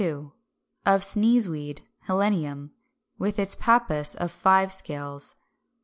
Of Sneezeweed (Helenium), with its pappus of five scales.